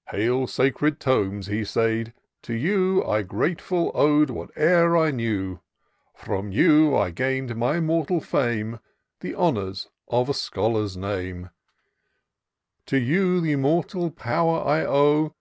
* Hail, sacred tomes !' he said, * to you I grateful ow'd whate'er I knew : From you I gain'd my mortal fame. The honours of a scholar's name : To you the immortal power I owe.